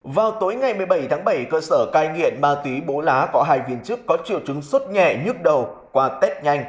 vào tối ngày một mươi bảy tháng bảy cơ sở cai nghiện ma túy bố lá có hai viên chức có triệu chứng suốt nhẹ nhức đầu qua test nhanh